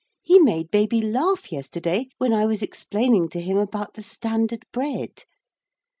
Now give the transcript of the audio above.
He made baby laugh yesterday when I was explaining to him about the Standard Bread.